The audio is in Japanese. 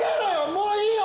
もういいよ！